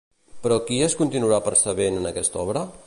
Però qui es continuarà percebent en aquesta obra?